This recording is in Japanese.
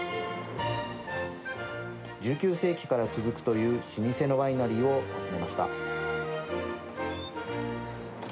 １９世紀から続くという老舗のワイナリーを訪ねました。